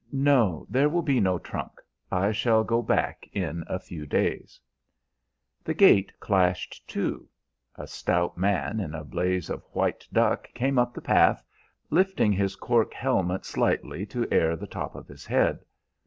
No; there will be no trunk. I shall go back in a few days." The gate clashed to. A stout man in a blaze of white duck came up the path, lifting his cork helmet slightly to air the top of his head.